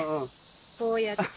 こうやって。